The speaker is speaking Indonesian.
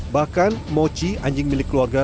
bahkan moci anjing milik keluarga